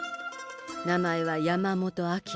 名前は山本明。